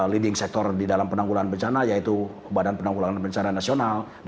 leading sektor di dalam penanggulan bencana yaitu badan penanggulangan bencana nasional